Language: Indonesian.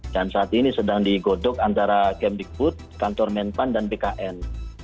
dan saat ini sedang digodok antara kemdikbud kantor menpan dan bkn